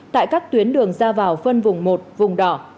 tại các tuyến đường ra vào phân vùng một vùng đỏ